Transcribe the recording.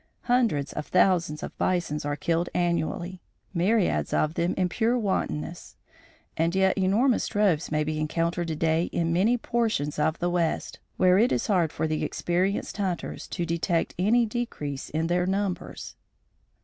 Hundreds of thousands of bisons are killed annually myriads of them in pure wantonness and yet enormous droves may be encountered today in many portions of the west, where it is hard for the experienced hunters to detect any decrease in their numbers.